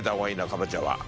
かぼちゃは。